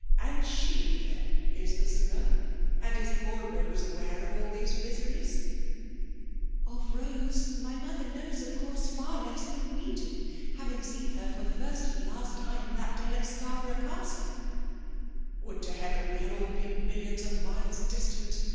And she, then, is the pinner 1 And is poor Rose aware of all these miseries ?" 2ISS FKBIALB DOMlMATfOlff. '*' Of Bose, my mother kiiowB> of toaiae, far less than we do, having seen her for the first and last time that day at ScarhoToogh Castle." Would to Heaven we had all been millions of miles distant